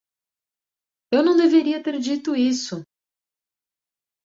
Eu não deveria ter dito isso!